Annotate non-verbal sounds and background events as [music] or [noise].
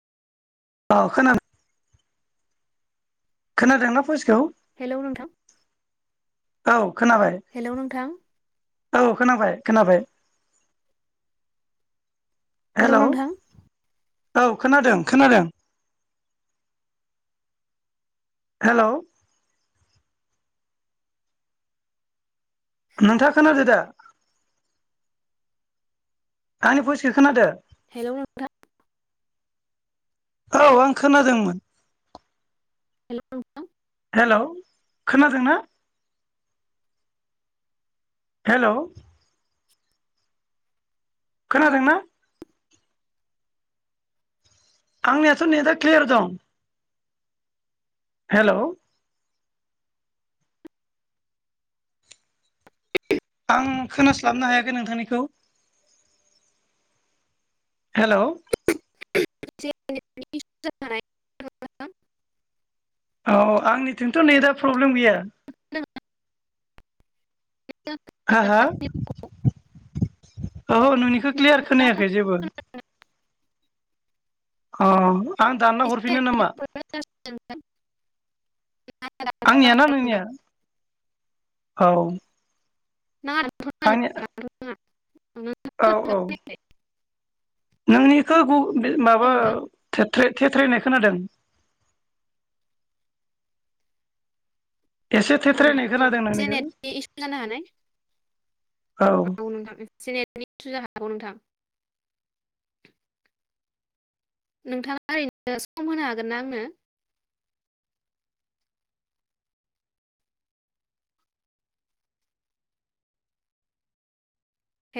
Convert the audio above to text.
अ खोनादो खोनादोंना भयस हेलौ नोंथां औ खोनाबाय हेलौ नोंथां औ खोनाबाय खोनाबाय हेलौ नोथां औ खोनादों खोनादों हेलौ नोंथाङा खोनादो दा आंनि भइसखो खोनादो हेलौ नोंथां औ आं खोनादोंमोन हेलौ नोंथां हेलौ खोनादोंना हेलौ नोंथाङा खोनादोंना आं नियाथ नेटआ क्लियार दं हेलौ आं खोनास्लाबनो हायाखै नोंथांनिखौ हेलौ [unintelligible] औ आंनिथिंथ' नेट आ प्रब्लेम गैया हा हा औ नोंनिखौ क्लियार खोनायाखै जेबो अ आं दानना हरफिनो नामा आंनियाना नोंनिया औ [unintelligible] आंनिया [unintelligible] नोंथां औ औ नोंनिखौ गु माबा थे थ्रेथ्रायनाय खोनादों एसे [unintelligible] थेथ्रायनाय खोनादों [unintelligible] नोंनिखौ औ हागौ नोंथां नोंथाङा ओरैनो सम होनो हागोन ना आंनो